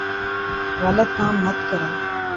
غلط کام مت کرو ـ